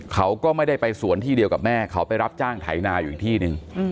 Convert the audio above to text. เขาก็ไม่ได้ไปสวนที่เดียวกับแม่เขาไปรับจ้างไถนาอยู่อีกที่หนึ่ง